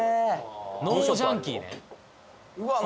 ノージャンキーねうわ何？